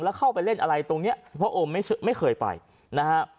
แล้วเข้าไปเล่นอะไรตรงเนี้ยเพราะโอมไม่เคยไปนะฮะ